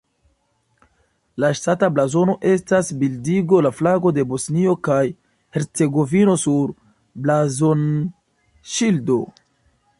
La ŝtata blazono estas bildigo la flago de Bosnio kaj Hercegovino sur blazonŝildo.